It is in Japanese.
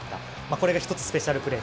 これが１つスペシャルプレー。